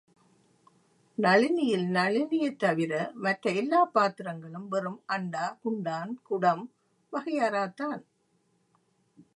நளினி யில் நளினியைத் தவிர, மற்ற எல்லாப் பாத்திரங்களும் வெறும் அண்டா, குண்டான், குடம் வகையறாத்தான்!